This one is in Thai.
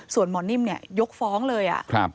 ส่วนหมอนิ่มยกฟ้องเลย